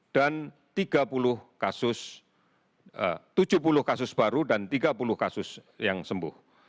dan tiga puluh kasus tujuh puluh kasus baru dan tiga puluh kasus yang sembuh